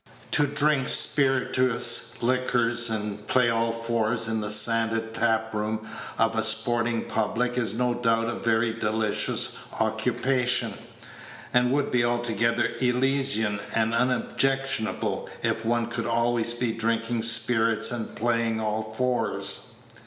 To drink spirituous liquors and play all fours in the sanded tap room of a sporting public is no doubt a very delicious occupation, and would be altogether Elysian and unobjectionable if one could always be drinking spirits and playing all fours.